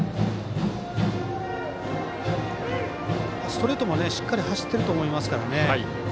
ストレートもしっかり走っていると思いますからね。